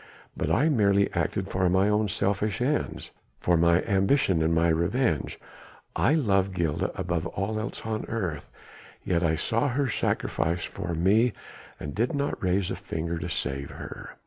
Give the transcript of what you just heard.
But I merely acted for mine own selfish ends, for my ambition and my revenge. I love Gilda beyond all else on earth, yet I saw her sacrificed for me and did not raise a finger to save her."